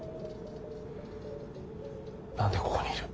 何でここにいる。